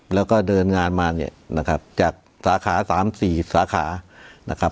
แล้วก็เดินงานมาเนี่ยจากสาขา๓๔สาขา